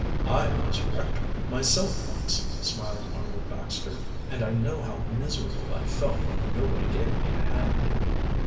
"I was wrecked myself once," smiled Arnold Baxter. "And I know how miserable I felt when nobody gave me a hand."